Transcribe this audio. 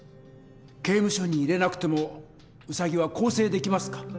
刑務所に入れなくてもウサギは更生できますか？